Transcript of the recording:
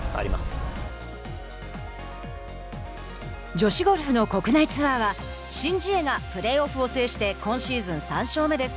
女子ゴルフの国内ツアーはシン・ジエがプレーオフを制して今シーズン３勝目です。